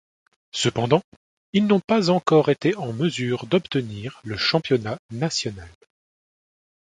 Cependant, il n'ont pas encore été en mesure d'obtenir le championnat national.